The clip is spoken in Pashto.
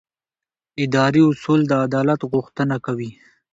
اداري اصول د عدالت غوښتنه کوي.